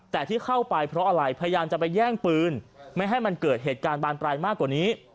แต่ที่เข้าไปเพราะอะไรพยายามจะไปแย่งปืนไม่ให้มันเกิดเหตุการณ์บานปลายมากกว่านี้